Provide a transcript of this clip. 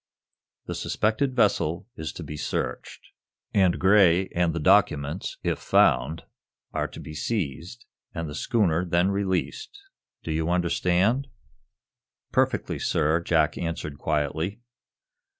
The suspected vessel is to be searched, and Gray and the documents, if found, are to be seized, and the schooner then released. Do you understand?" "Perfectly, sir." Jack answered quietly.